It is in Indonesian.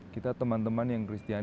kita adalah teman teman kristiani